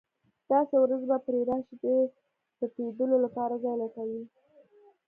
داسې ورځې به پرې راشي چې د پټېدلو لپاره ځای لټوي.